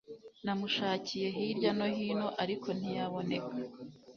namushakiye hirya no hino, ariko ntiyaboneka